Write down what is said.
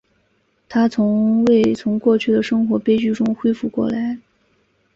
她从未从过去的生活悲剧中恢复过来。